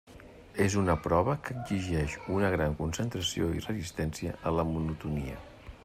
És una prova que exigeix una gran concentració i resistència a la monotonia.